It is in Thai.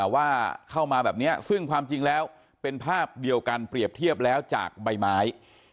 ว่าเข้ามาแบบนี้ซึ่งความจริงแล้วเป็นภาพเดียวกันเปรียบเทียบแล้วจากใบไม้